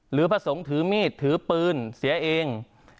พระสงฆ์ถือมีดถือปืนเสียเอง